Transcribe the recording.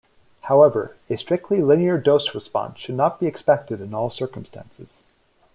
However, a strictly linear dose response should not be expected in all circumstances.